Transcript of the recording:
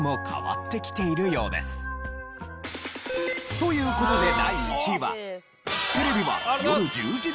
という事で第１位は。